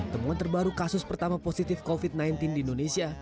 temuan terbaru kasus pertama positif covid sembilan belas di indonesia